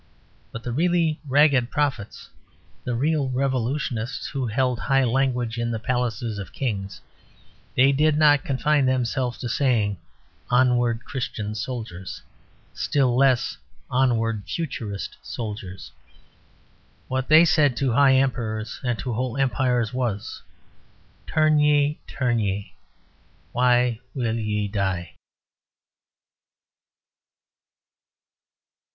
But the really ragged prophets, the real revolutionists who held high language in the palaces of kings, they did not confine themselves to saying, "Onward, Christian soldiers," still less, "Onward, Futurist soldiers"; what they said to high emperors and to whole empires was, "Turn ye, turn ye, why will ye die?"